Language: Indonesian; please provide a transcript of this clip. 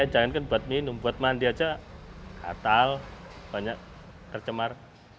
jangan kan buat minum buat mandi saja katal banyak tercemar